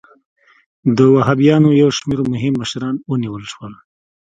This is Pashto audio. د وهابیانو یو شمېر مهم مشران ونیول شول.